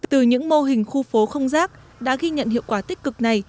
từ những mô hình khu phố không rác đã ghi nhận hiệu quả tích cực này